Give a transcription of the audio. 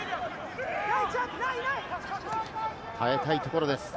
耐えたいところです。